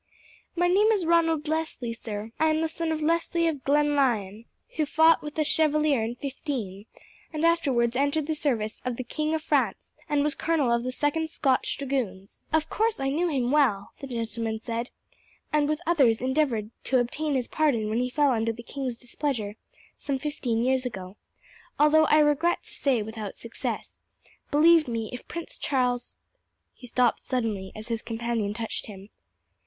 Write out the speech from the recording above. "My name is Ronald Leslie, sir. I am the son of Leslie of Glenlyon, who fought with the Chevalier in '15, and afterwards entered the service of the King of France, and was colonel of the 2nd Scorch Dragoons." "Of course I knew him well," the gentleman said, "and with others endeavoured to obtain his pardon when he fell under the king's displeasure some fifteen years ago, although I regret to say without success. Believe me, if Prince Charles " He stopped suddenly as his companion touched him.